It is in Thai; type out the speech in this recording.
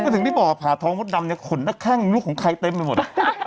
ถึงที่บอกผ่าท้องมดดำขนและข้างลูกของใครเต็มไปหมด